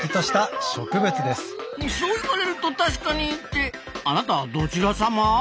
そう言われるとたしかにってあなたどちらさま？